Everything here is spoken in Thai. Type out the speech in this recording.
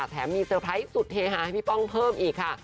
มีเซอร์ไพรส์สุดเฮฮาให้พี่ป้องเพิ่มอีกค่ะ